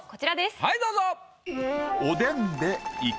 はいどうぞ。